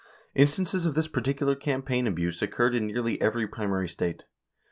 Instances of this particu lar campaign abuse occurred in nearly every primary State.